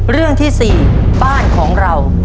เรื่องที่๔บ้านของเรา